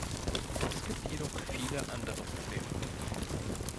Es gibt jedoch viele andere Probleme.